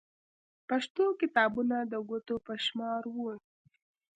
پښتو کتابونه د ګوتو په شمار وو.